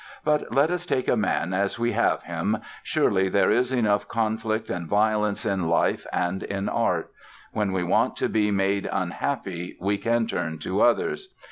But let us take a man as we have him. Surely there is enough conflict and violence in life and in art. When we want to be made unhappy we can turn to others.